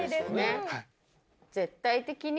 絶対的に。